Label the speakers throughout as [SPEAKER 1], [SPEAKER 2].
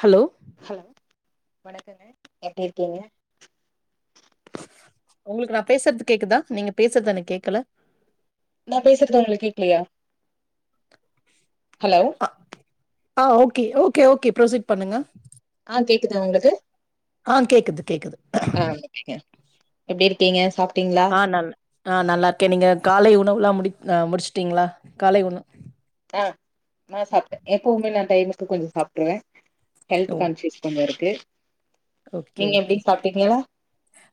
[SPEAKER 1] Hello
[SPEAKER 2] hello வணக்கங்க எப்டி இருக்கீங்க
[SPEAKER 1] உங்களுக்கு நா பேசுறது கேக்குதா நீங்க பேசுறது எனக் கேக்கல
[SPEAKER 2] நான் பேசுறது உங்களுக் கேக்கலையா ஹலோ
[SPEAKER 1] பா ஆ ஓகே ஓகே ஓகே ப்ரொசீட் பண்ணுங்க
[SPEAKER 2] ஆ கேக்குதா உங்ளுக்கு
[SPEAKER 1] ஆ கேக்குது கேக்குது
[SPEAKER 2] ஆ ஓகேங்க எப்டி இருக்கீங்க சாப்
[SPEAKER 1] ஆ நல் ஆ நல்லா இருக்கே நீங்க காலை உணவுலா முடிக் முடிச்சுட்டீங்ளா காலை உணவு
[SPEAKER 2] ஆ நா சாப்ட்ட எப்பவுமே நா டைமுக்கு கொஞ்சோ சாப்ட்டுருவே ஹெல்த்
[SPEAKER 1] ஓ
[SPEAKER 2] கான்சியஸ் கொஞ்ச இருக்கு
[SPEAKER 1] ஓகே
[SPEAKER 2] நீங்க எப்டி
[SPEAKER 1] ஓகே
[SPEAKER 2] சாப்ட்டீங்களா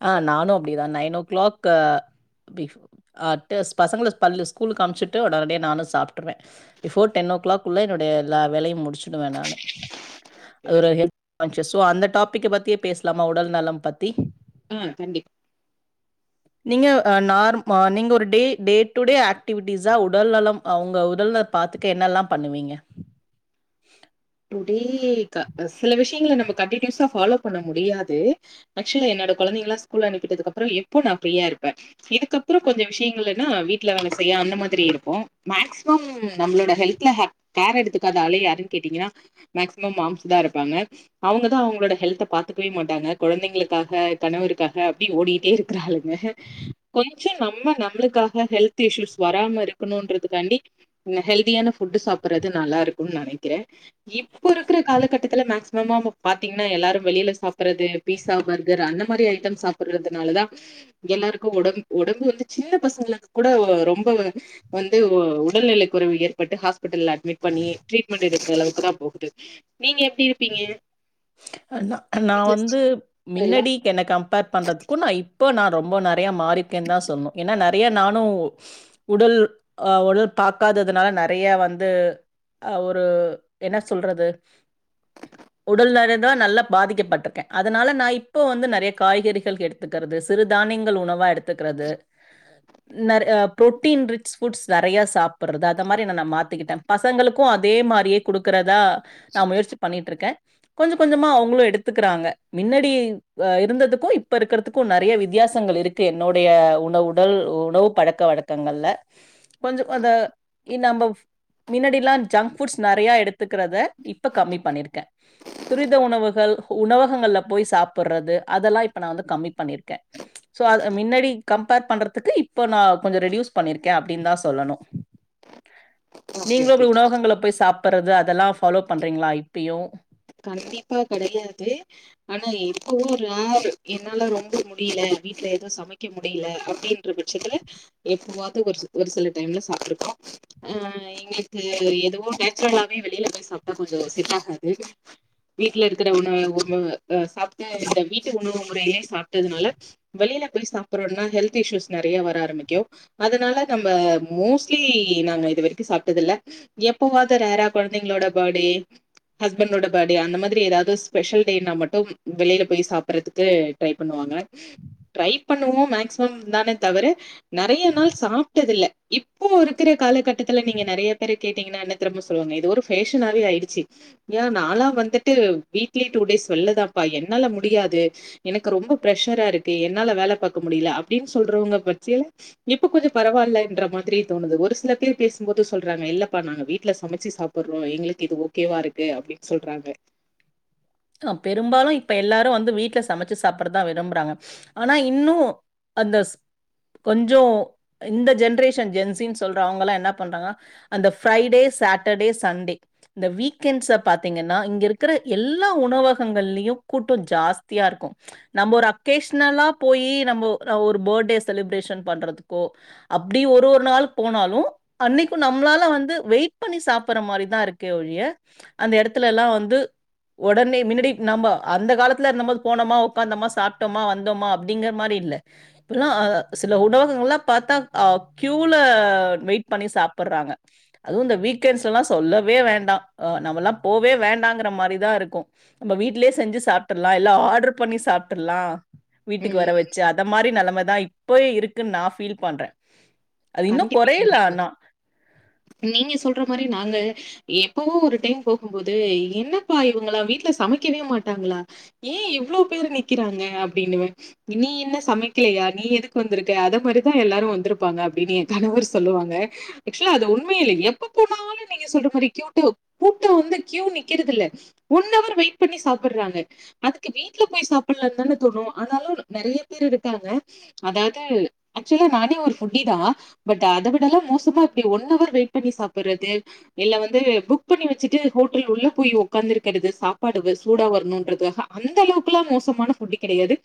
[SPEAKER 1] ஆ நானு அப்டிதா நைன் ஓ கிளாக் அட்டுஸ் பசங்கள பல் ஸ்கூலுக்கு அமிச்சிட்டு உடனடியா நானு சாப்டுருவ பிஃபோர் டென் ஓ கிளாக்குள்ள என்னுடைய எல்லா வேலையு முடிச்சிடுவ நானு அது ஒரு ஹெல்த் கான்ஷியஸ் சோ அந்த டாபிக் பத்தியே பேசலாமா உடல் நலம் பத்தி
[SPEAKER 2] ம் கண்டிப்
[SPEAKER 1] நீங்க நார் நீங்க ஒரு டே டே டு டே ஆக்டிவிட்டிஸா உடல் நலம் உங்க உடல பாத்துக்க என்னல்லா பண்ணுவீங்க
[SPEAKER 2] டே சில விஷயங்களை நம்ம கண்டனியூஸா ஃபாலோ பண்ண முடியாது ஆக்சுவலா என்னடோ குழந்தைங்களா ஸ்கூல் அனுப்பிட்டது அப்புற எப்போ நா ப்ரீயா இருப்ப இதுக்கப்புற கொஞ்ச விஷயங்கள்னா வீட்ல வேல செய்ய அந்த மாரி இருக்கும் மேக்சிமம் நம்மளோட ஹெல்த்ல கேர் எடுத்துக்காதாலே யாருன்னு கேட்டீங்கன்னா மேக்சிமம் மாம்ஸ் தா இருப்பாங்க அவங்கதா அவங்களோட ஹெல்த பாத்துக்கவே மாட்டாங்க குழந்தைங்களுக்காக கணவருக்காக அப்டி ஓடிட்டே இருக்கு கிராலுங்க கொஞ்ச நம்ம நம்மளுக்காக ஹெல்த் இஷ்யூஸ் வராம இருக்கணுன்றதுக்காண்டி ங்க ஹெல்தியான ஃபுட்டு் சாப்பறது நல்லா இருக்குனு நெனைக்கிறே இப்ப இருக்கிற காலகட்டத்துல மேக்சிமம பாத்தீங்கன்னா எல்லாரு வெளியில சாப்பறது பீஸா பர்கர் அந்த மாரி ஐட்டம் சாப்பிறதுனாலதா எல்லாருக்கு ஒடம்பு ஒடம்பு வந்து சின்ன பசங்களுக்கு கூட ரொம்ப வந்து உடல்நிலை குறைவு ஏற்பட்டு ஹாஸ்பிடல் அட்மிட் பண்ணி ட்ரீட்மெண்ட் எடுக்கிற அளவுக்கு தா போட்டு நீங்க எப்டி இருப்பீங்க
[SPEAKER 1] அத்தா நா
[SPEAKER 2] வீட்ல
[SPEAKER 1] வந்து மின்னடி என்ன கம்பேர் பண்றதுக்கும் நா இப் போ நா ரொம்ப நெறையா மாறியிருக்கேன்னு தா சொல்ணு ஏன்னா நெறைய நானும் உடல் அ உடல் பாக்காததுனால நெறையா வந்து ஆ ஒரு என்ன சொல்றது உடல் நலந்தா நல்லா பாதிக்கப்பட்டிருக்கே அதனால நா இப்ப வந்து நெறைய காய்கறிகள் எடுத் துக்கிறது சிறுதானியங்கள் உணவா எடுத்துக்கிறது
[SPEAKER 2] [inaudible]
[SPEAKER 1] இன்னர் அ புரோட்டீன் ரிச் ஃபுட்ஸ் நறையா சாப்பிட்றது அந்த மாறி என்ன நா மாத்திக்கிட்டே பசங்களுக்கும் அதே மாறியே குடுக்கறதா நா முயற்சி பண்ணிட்டு இருக்கே கொஞ்சோ கொஞ்சமா அவங்களும் எடுத்துக்கிறாங்க மின்னாடி இருந்ததுக்கும் இப்ப இருக்கிறதுக் கும் நெறைய வித்தியாசங்கள் இருக்கு என்னுடைய உணவு உடல் உணவு பழக்க வழக்கங்கள்ல கொஞ்சோ அத இனா ஃபவ் மின்னாடி எல்லா ஜங்க் ஃபுட்ஸ் நறையா எடுத்துக்கிறத இப்ப கம்மி பண்ணியிருக்கே
[SPEAKER 2] [inaudible]
[SPEAKER 1] துரித உணவுகள் உணவகங்கள்ல போய் சாப்பிட்றது அதெல்லா இப்ப நா வந்து கம்மி பண்ணியிருக்கே சோ அத மின்னடி கம்பேர் பண்றதுக்கு இப்ப நா கொஞ்சோ ரெடியூஸ் பண்ணியிருக்கே அப்படின்னு தா சொல்லணு
[SPEAKER 2] [inaudible]
[SPEAKER 1] நீங்களும்
[SPEAKER 2] ஓகே.
[SPEAKER 1] போயி உணவகங்கள்ல போயி சாப்பிட்றது அதெல்லா ஃபாலோ பண்றீங்களா இப்பயு
[SPEAKER 2] கண்டிப்பா கெடையாது ஆனா இப்பவு ரேரு என்னால ரொம்ப முடியல வீட்ல ஏதும் சமைக்க முடியல அப்படின்னு பட்சத்துல எப்பவாது ஒரு ஒரு சில டைம்ல சாப்ட்ருக்கோ அ எங்களுக்கு எதுவோ நேச்சுரலாவே வெளில போயி சாப்ட்டா கொஞ்சோ செட் ஆகாது வீட்ல இருக்கிற உணவு உ சாப்ட்டு இந்த வீட்டு உணவு முறையிலயே சாப்ட்டதுனால வெளியில போயி சாப்பிட்றோனா ஹெல்த் இஷ்யூஸ் நெறையா வர ஆரம்பிக்கு அதனால நம்ம மோஸ்ட்லி நாங்க இது வரைக்கும் சாப்ட்டது இல்ல எப்பவாது ரேரா கொழந்தைங்களோட பர்டே நம்பளோட பர்டே அந்த மாதிரி ஏதாவது ஸ்பெஷல் டேனா மட்டும் வெளியில போயி சாப்பறக்கு ட்ரை பண்ணுவாங்க ட்ரை பண்ணுவோ மேக்சிமம் தானே தவிர நறைய நாள் சாப்ட்டது இல்ல இப்போ இருக்கற காலகட்டத்துல நீங்க நெறைய பேரு கேட்டீங்கன்னா என்ன தெரியுமா சொல்வாங்க இது ஒரு பேஷனாவே ஆயிடிச்சி ஏ நால்லா வந்துட்டு வீக்லி டூ டேஸ் வெல்லதாப்பா என்னால முடியாது எனக்கு ரொம்ப ப்ரெஷரா இருக்கு என்னால வேல பாக்க முடியல அப்படின்னு சொல்றவங்க பட்சில இப்ப கொஞ்சோ பரவாயில்லன்ற மாதிரியே தோணுது ஒரு சில பேர் பேசும்போது சொல்றாங்க இல்லப்பா நாங்க வீட்ல சமைச்சு சாப் புட்றோ எங்களுக்கு இது ஓகேவா இருக்கு அப்படின்னு சொல்றாங்க
[SPEAKER 1] அ பெரும்பாலும் இப்ப எல்லாரும் வந்து வீட்ல சமைச்சு சாப்புட்றதா விரும்புறாங்க ஆனா இன்னும் அந்த கொஞ்சோ இந்த ஜென்ரேஷன் ஜென்சின்னு சொல்ற அவங்கல்லா என்ன பண்றாங்கனா அந்த ஃபிரைடே சாட்டர்டே சண்டே இந்த வீக்கெண்ட்ஸ்ச பாத்தீங்கன்னா இங்க இருக்கிற எல்லா எல்லா உணவகங்கள்லயு கூட்டம் ஜாஸ்தியா இருக்கும் நம்போ ஒரு அக்கேஷனலா போயி நம்போ நா ஒரு பர்டே செலிப்ரேஷன் பண்றதுக்கோ அப்டி ஒரு ஒரு நாள் போனாலு அன்னிக்கும் நம்மளால வந்து வெயிட் பண்ணி சாப்புட்ற மாறிதா இருக்கே ஒழிய அந்த இடத்துலலெல்லா வந்து உடனே மின்னடி நம்ம அந்த காலத்துல இருந்த போது போனோமா உக்காந்தமா சாப்ட்டமா வந்தமா அப்படிங்கிற மாறி இல்ல இப்பெல்லா சில உணவகங்கள்லா பாத்தா ஆ க்யூல வெயிட் பண்ணி சாப்பிட்றாங்க அதுவு இந்த வீக்கெண்ட்ஸ்லல்லா சொல்லவே வேண்டா நம்மலா போவே வேண்டாங்கிற மாரி தா இருக்கோ நம்ம வீட்லயே செஞ்சு சாப்ட்றல்லா இல்ல ஆர்டர் பண்ணி சாப்டறல்லா வீட்டுக்கு
[SPEAKER 2] ம்
[SPEAKER 1] வர வச்சு அத மாரி நெலமதா இப்ப இருக்குன் நா ஃபீல் பண்ற அது இன்னு
[SPEAKER 2] கண்டிப்பா
[SPEAKER 1] கொறையல
[SPEAKER 2] கண்டிப்
[SPEAKER 1] ஆனா
[SPEAKER 2] நீங்க சொல்ற மாரி நாங்க எப்பவு ஒரு டைம் போகும்போது என்னப்பா இவங்களா வீட்ல சமைக்கவே மாட்டாங்களா ஏ இவ்ளோ பேரு நிக்கிறாங்க அப்டின்னுவ நீ என்ன சமைக்கலையா நீ எதுக்கு வந்திருக்க அத மாரிதா எல்லாரு வந்திருப்பாங்க அப்பின்னு கணவர் சொல்லுவாங்க ஆக்சுல அது உண்ம இல்லை எப்ப போனாலு நீங்க சொல்ற மாரி க்யூட்டு கூட்ட வந்து கியூ நிக்கறதில்ல ஒன்னவர் வெயிட் பண்ணி சாப்பிறாங்க அதுக்கு வீட்டுல போய் சாப்பிடலனந்தானே தோணு ஆனாலு நெறைய பேர் இருக்காங்க அதது ஆக்சுவலா நானே ஒரு ஃபுட் டி பட் அத விட எல்லாம் மோசமா இப்டி ஒன்னவர் வெயிட் பண்ணி சாப்பறது இல்ல வந்து புக் பண்ணி வச்சட்டு ஹோட்டல் உள்ள போய் உட்காந்துருக்கிறது சாப்பாடு சூடா வரணுன்றதாக அந்த அளவுக்கெல்லா மோசமான ஃபுட்டு் கெடையாது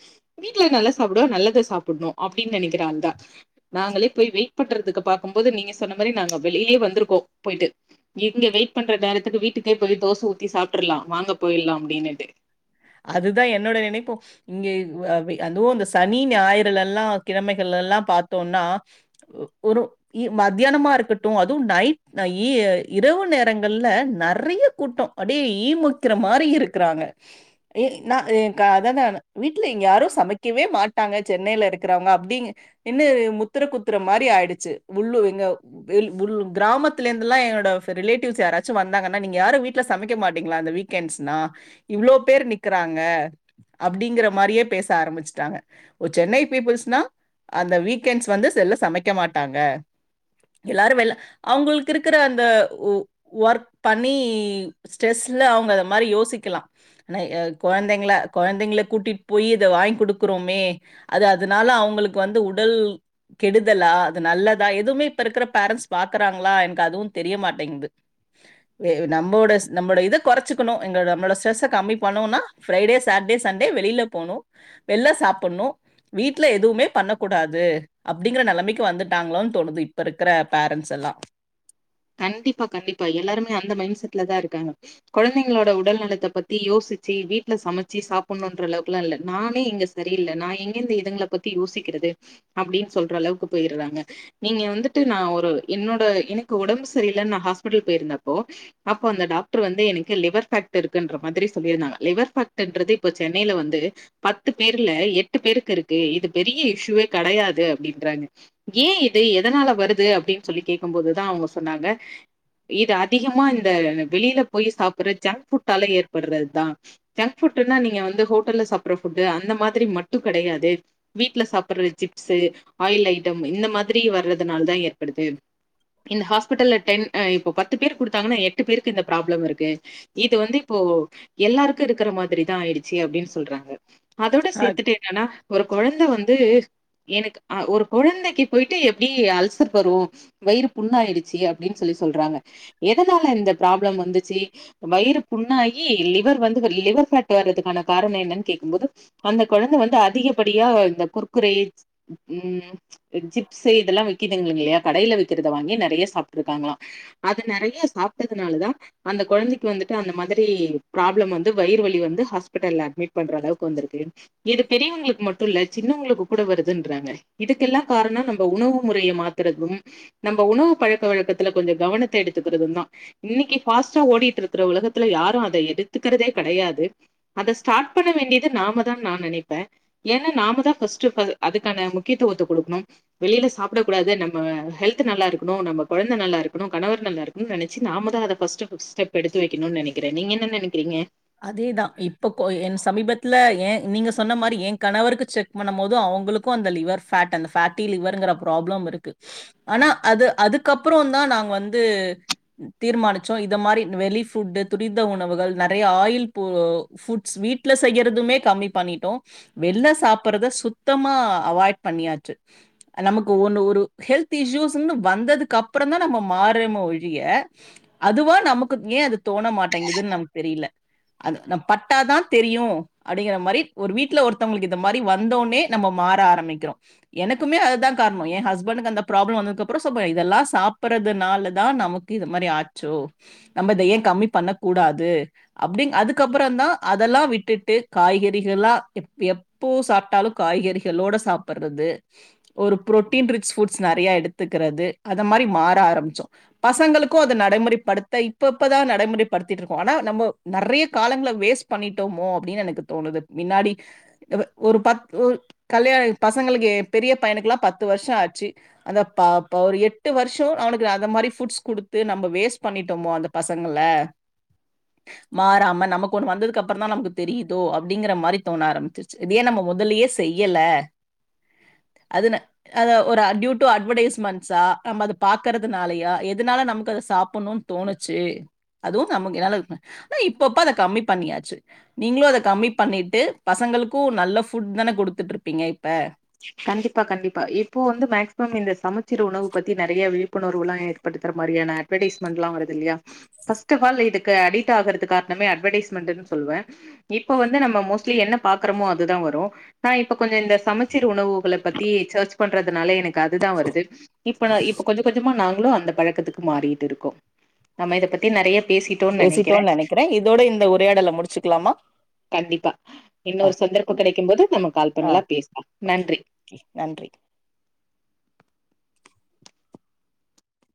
[SPEAKER 2] வீட்ல நல்ல சாப்பிடுவ நல்லது சாப்பணு அப்பன்னு நெனைக்கிற அந்த தா நாங்களே போய் வெயிட் பண்றதுக்கு பாக்கும் போது நீங்க சொன்ன மாதிரி நாங்க வெளியிலயே வந்திருக்கோ போயிட்டு இங்க வெயிட் பண்ற நேரத்துக்கு வீட்டுக்கே போயி தோச ஊத்தி சாப்பிட்டுர்லா வாங்க போயிலா அப்படின்னுட்டு
[SPEAKER 1] அதுதான் என்னோட நினைப்போ இங்க அதுவு இந்த சனி ஞாயிறு எல்லா கிழமைகள் எல்லாம பார்த்தோம்னா ஒரு மத்தியானமா இருக்கட்டு அதுவும் நைட் இரவு நேரங்கள்ல நிறைய கூட்டம் அப்டியே ஈமுக்கிற மாரி இருக்கிறாங்க ஏ நா அத தான் வீட்டல எங்க யாரும் சமைக்கவே மாட்டாங்க சென்னையில இருக்கிறவங்க அப்படி இன்ன முத்திர குத்துர மாரி ஆயிடுச்சு உள்ளு எங்க ஃபுல் கிராமத்துல இருந்துலா என்னோட ரிலேட்டிவ்ஸ் யெராச்சும் வந்தாங்கன்னா நீங்க யாரும் வீடல சமைக்க மாட்டீங்களா அந்த வீ கேன்ஸ்னா இவ்ளோ பேர் நிக்கிறாங்க அப்படிங்கிற மாரியே பேச ஆரம்பிச்சுட்டாங்க ஒரு சென்னை பீப்புள்ஸ்னா அந்த வீக்கெண்ட்ஸ் வந்து செல்ல சமைக்க மாட்டாங்க எல்லாரு வெல்ல அவங்களுக்கிருக்க அந்த ஒ ஒர்க் பண்ணி ஸ்ட்ரெஸ்ல அவங்க அத மாரி யோசிக்கலா ஆனா கொழந்தைங்கள கொழந்தைங்கள கூட்டிட்டு போய் இத வாங்கி கொடுக்குறோமே அது அதனால அவங்களுக்கு வந்து உடல் கெடுதலா அது நல்லதா எதுவுமே இப்ப இருக்கிற பேரண்டட்ஸ் பாக்குறாங்களா எனக்கு அதுவு தெரியமாட்டேங்குது வேற நம்மோட நம்மோட இத கொறச்சிக்கணு எ நம்ளோட ஸ்ரெஸ்ஸ கம்மி பண்ணணுனா ஃரைடே சாட்டடே சண்டே வெளியில போணு வெள்ல சாப்பணு வீட்ல எதுமே பண்ண கூடாது அப்படிங்கிற நெலைமைக்கு வந்துட்டாங்களோனு தோணுது இப்ப இருக்கிற பேரண்ட்ஸ் எல்லா
[SPEAKER 2] கண்டிப்பா கண்டிப்பா எல்லாருமே அந்த மைண்ட் செட்ல தா இருக்காங்க கொழந்தைங்களோட உடல் நலத்த பத்தி யோசிச்சு வீட்ல சமச்சு சாப்பிடணுன்ற அளவுக்குல்லாம் இல்ல நானே இங்க சரியில்ல நா எங்கேந்து இதுங்கள பத்தி யோசிக்கிறது அப்பன்னு சொல் அளவுக்கு போயிருறாங்க நீங்க வந்துட்டு நா ஒரு என்னோட எனக்கு உடம்பு சரியில்ல நா ஹாஸ்பிட்டல் போயிருந்தப்போ அப்போ அந்த டாக்டர் வந்து எனக்கு லிவர் ஃபேக்ட் இருக்குன்ற மாதிரி சொல்லியிருந்தாங்க லிவர் ஃபேக்ட்ன்றது இப்ப சென்னையில வந்து பத்து பேர்ல எட்டு பேருக்கு இருக்கு இது பெரிய இஷ்யுவே கெடையாது அப்படின்றாங்க ஙே இது எதனால வருது அப்டின் சொல்லி கேக்கும்போதுதா அவ்ங்க சொன்னாங்க இத் அதிஹமா இந்த வெளில போய் சாப்று ஜங்க் ஃபுட்டால ஏற்பர்ற தா ஜங்க் ஃபுட்டுன்னா நீங்க வந்து ஹோட்டல்ல சாப்ற ஃபுட்டு அந்த மாதிரி மட்டு கடையாதே வீட்ல சாப்பற சிப்ஸு ஆயில் ஐட்டம் இந்ந மாத்ரி வர்றதுனால் தா ஏற்படுது இந் ஹாஸ்பிட்டல்ல டென் அ இப்போ பத்து பேர் குடுத்தாங்கன்னா எட்டு பேர்க்கு இந்த ப்ராப்ளவ் இருக்கு இது வந்து இப்போ எல்லார்க்கு இருக்ற மாத்ரி தா ஆய்டுச்சி அப்டின் சொல்றாங்க அதோட
[SPEAKER 1] அ
[SPEAKER 2] சேத்துட்டு எங்கன்னா ஒரு கொழந்த வந்து எனக்கு அ ஒரு கொழந்தைக்கு போய்ட்டு எப்டி அல்சர் வரு வயிறுப் புண்ணாயிடுச்சி அப்டின் சொல்லி சொல்றாங்க எதனால இந்த ப்ராப்ளம் வந்துச்சி வயிறு புண்ணாகி லிவ் இவர் வந்துகலி லிவர் ஃபேட்டு வர்றத்துக்கான காரண என்னன் கேக்கும்போது அந்த கொழந்த வந்து அதிகப்படியா இந்த குர்குரே உ ம் பு ச்சிப்ஸு இதெல்லா விக்கிதிங் இல்லையா கடைய்ல விக்கத் குத வாங்கி நறயா சாப்ட்ருக்காங்ளா அது நறயா சாப்ட்டதுனாலதா அந்த கொழந்தைக் வந்துட்டு அந்த மாதிரி ப்ராப்ளம் வந்து வயிறு வலி வந்து ஹாஸ்பிட்டல்ல அட்மிட் பண்ற அளவ்க் வந்துர்க்கு இது பெரியவங்ளுக் மட்டு இல்ல சின்னவங்ளுக்கு கூட வருதுன்றாங்க இதுக்கெல்லா காரணம் நம்ம உணவு முறைய மாத்றதும் நம்ம உணவு பழக்க வழக்கத்துல கொஞ்ச கவனத்த எடுத்துக்குறதுந்நா இன்னிக்கி ஃபாஸ்ட்டா ஓடிட்ருக்குற உலகத்துல யாரு அத எடுத்துக்கறதே கடையாது அத ஸ்டாட் பண்ண வேண்டிய்து நாம தான் நா நெனைப்பே ஏனா நாம தா ஃபஸ்ட்டு ஃபவ் அதுக்கான முக்கியத்துவத்த குடுக்ணும் வெளில சாப்ட கூடாதே நம்ம ஹெல்த் த்து நல்லா இருக்னு நம்ம கொழந்த நல்லா இருக்கணு கணவர் நல்லார்க்கனு நெனச்சி நாம தா அத ஃபஸ்ட்டு ஃபுட் ஸ்டெப் பெடுத்து வெக்கணு நெனக்றே நீங்க என்ன நெனக்றீங்க
[SPEAKER 1] அதேதா இப்ப கோ என் சமீபத்ல ஏ நீங்க சொன்ன மாரி ஏ கணவருக்கு செக் பண்ண போது அவ்ங்களுக்கு அந்த லிவர் ஃபேட் அந்த ஃபேட்டி லிவர்ங்கற ப்ராப்ளம் இருக்கு ஆனா அது அதுக்கப்றோ தா நா வந்து தீர்மானிச்சோ இத மாரி வெலி ஃபுட்டு துரித்த உணவுகள் நட் றைய ஆயில் போ ஃபுட்ஸ் வீட்ல செய்யற்துமே கம்மி பண்ணிட்டோ வெள்ள சாப்பற்த சுத்தமா அவாய்ட் பண்ணியாச்சு நமக்கு ஒண்ணு ஒரு ஹெல்த் இஷ்யூஸுன்னு வந்ததுக்கப்பறந்தா நம்ம மாறேமோ ஒழிய அதுவா நமக்குத் ஏ அது தோண மாட்டேங்குதுன் நமக் தெரில அது நம் பட்டாதா தெரியு அடிங்கிற மாரி ஒரு வீட்ல ஒருத்தவங்ளுக் இந்த மாரி வந்தோனே நம்ம மாற ஆரமிக்றோ எனக்குமே அதுதா கார்மோ ஏ ஹஸ்பண்டுக்கு அந்த ப்ராப்ளோ வந்ததுக்கப்பறோ சோப்பாய் இதெல்லா சாப்பறதுனால தா நமுக் இத மாரி ஆச்சோ நம்ம இத ஏ கம்மி பண்ண கூடாது அப்டி அதுக்கப்றந்தா அதல்லா விட்டுட்டு காய்கறிஹலா இப் எப் போ சாப்ட்டாலு காய்கறிஹளோட சாப்பறது ஒரு பு்ரோட்டின் ரிச் ஃபுட்ஸ் நறையா எடுத்துக்றது அத மாரி மாற ஆரம்ப்ச்சோ பசங்களுக்கூ அத நடமுறைப்படுத்த இப்ப இப்பதா நடமுறைப்படுத்திட்ருக்கோ ஆனா நம்போ நறைய் காலங்ள வேஸ் பண்ணிட்டோமோ அப்டின்னு எனக்கு தோணுது மின்னாடி எப ஒரு பத் ஒர் கல்யாய் பசங்களுக்கே பெரிய பையனுக்லா பத்து வர்ஷோ ஆச்சி அந்த ப ப ஒரு எட்டு வர்ஷோ நா அவனுக்கு அந்த மாரி ஃபுட்ஸ் குடுத்து நம்ப வேஸ் பண்ணிட்டோமோ அந்தப் பசங்கல மாறாம நமக் ஒண்ணு வந்ததுக்கப்பறந்தா நமக்கு தெரியுதோ அப்படிங்குற மாரி தோண ஆரம்பிச்சிருச்சு இதயே நம்ம மொதல்லயேஸ் தெய்யல அதுன அத ஒரு டியூ டோ அட்வர்டேஸ்மெண்ட்ஸா நம்ம அத பாக்குறதுனாலயா எதுனால நமக்கு அத சாப்பிட்ணு தோணுச்சு அதுவு நமக்கு என்னால ஆனா இப்பப்ப அத கம்மி பண்ணியாச்சு நீங்களு அத கம்மி பண்ணிட்டு பசங்களுக்கு நல்ல ஃபுட் தானே குடுத்துட்ருப்பீங்க இப்ப
[SPEAKER 2] கண்டிப்பா கண்டிப்பா இப்போ வந்து மேக்சிமம் இந்த சமச்சீர் உணவு பத்தி நெறையா விழிப்புணர்வுலா ஏற்ப் படுத்துற மாறியான அட்வடேஸ்மென்ட்லா வருது இல்லையா ஃபர்ஸ்ட் ஆஃப் ஆல் இதுக்கு அடிட் ஆகுறதுக் காரணமே அட்வடேஸ்மெண்டுன்னு சொல்லுவே இப்ப வந்து நம்ம மோஸ்ட்லி என்ன பாக்குறமோ அதுதா வரு நா இப்ப கொஞ்சோ இந்த சம ச்சீர் உணவுகள பத்தி சர்ச் பண்றதுனால எனக் கு அதுதா வருது இப்ப நா இப்ப கொஞ்ச கொஞ்சமா நாங்களு அந்த பழக்கத்துக்கு மாறிட்டு இருக்கோ நம்ம இத பத்தி நெறைய பேசி
[SPEAKER 1] பேசிட்டோ நெனைக்கிறே இதோட இந்த உரையாடல முடிச்சுக்கலாமா
[SPEAKER 2] கண்டிப்பா
[SPEAKER 1] ஆ,
[SPEAKER 2] இன்னொரு சந்தர்ப்போ
[SPEAKER 1] ரொம்ப-
[SPEAKER 2] கிடைக்கும் போது நம்ம கால்
[SPEAKER 1] ஆ
[SPEAKER 2] பண்லா பேசலா
[SPEAKER 1] ஓகே கே நன்றி